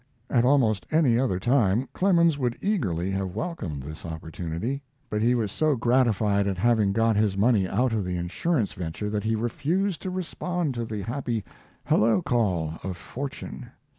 At almost any other time Clemens would eagerly have welcomed this opportunity; but he was so gratified at having got his money out of the insurance venture that he refused to respond to the happy "hello" call of fortune.